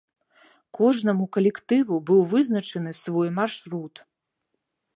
Кожнаму калектыву быў вызначаны свой маршрут.